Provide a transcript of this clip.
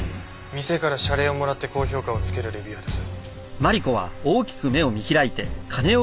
店から謝礼をもらって高評価を付けるレビュアーです。